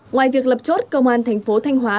ngoài việc lập chốt công an thành phố thanh hóa